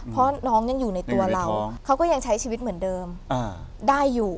เพราะน้องยังอยู่ในตัวเราเขาก็ยังใช้ชีวิตเหมือนเดิมได้อยู่